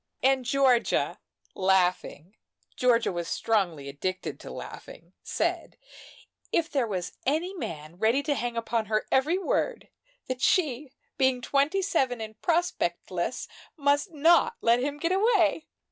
And Georgia, laughing Georgia was strongly addicted to laughing said if there was any man ready to hang upon her every word, that she, being twenty seven and prospectless, must not let him get away.